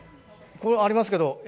これ、ありますけど、え？